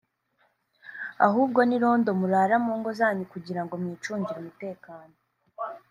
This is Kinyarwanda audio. ahubwo n’irondo murara mu ngo zanyu kugira ngo mwicungire umutekano